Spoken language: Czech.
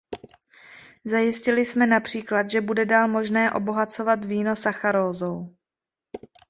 Zajistili jsme například, že bude dál možné obohacovat víno sacharózou.